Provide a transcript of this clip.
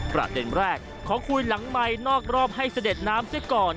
ประเด็นแรกขอคุยหลังไมค์นอกรอบให้เสด็จน้ำซะก่อน